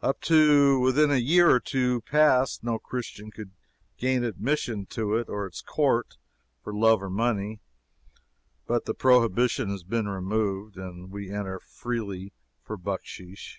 Up to within a year or two past, no Christian could gain admission to it or its court for love or money. But the prohibition has been removed, and we entered freely for bucksheesh.